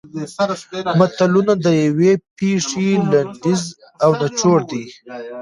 متلونه د یوې پېښې لنډیز او نچوړ دي